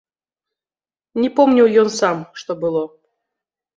Не помніў ён сам, што было.